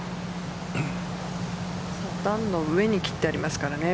段の上に切ってありますからね。